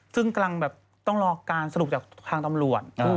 ซึ่งกำลังแบบต้องรอการสรุปจากทางตำรวจ